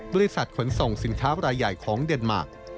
บริษัทขนส่งสินค้ารายใหญ่ของเดนมาร์ค